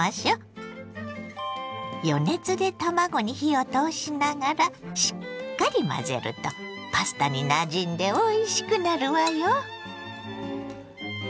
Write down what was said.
余熱で卵に火を通しながらしっかり混ぜるとパスタになじんでおいしくなるわよ。